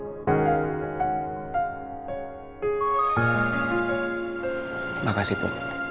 terima kasih bu